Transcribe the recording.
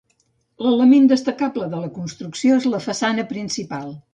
L'element destacable de la construcció és la façana principal.